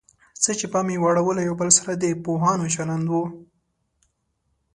څه چې پام یې واړاوه له یو بل سره د پوهانو چلند و.